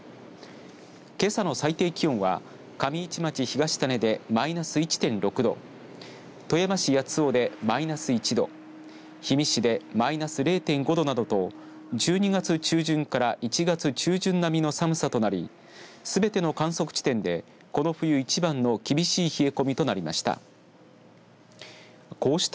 けさの最低気温は上市町東種でマイナス１．６度富山市八尾でマイナス１度氷見市でマイナス０．５度などと１２月中旬から１月中旬並みの寒さとなりすべての観測地点でこの冬いちばんの厳しい冷え込みとなりました。